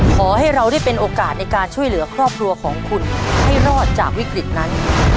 ขอให้เราได้เป็นโอกาสในการช่วยเหลือครอบครัวของคุณให้รอดจากวิกฤตนั้น